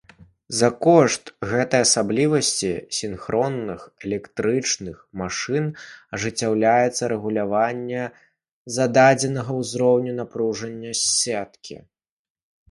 За кошт гэтай асаблівасці сінхронных электрычных машын ажыццяўляецца рэгуляванне зададзенага ўзроўню напружання сеткі.